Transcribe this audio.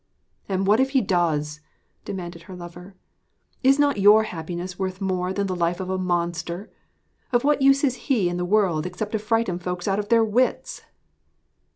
'And what if he does?' demanded her lover. 'Is not your happiness worth more than the life of a monster? Of what use is he in the world except to frighten folks out of their wits?'